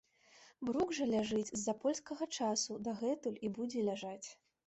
Брук жа ляжыць з-за польскага часу дагэтуль і будзе ляжаць!